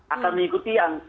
akan mengikuti yang